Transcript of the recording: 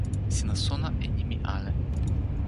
sina sona e nimi ale.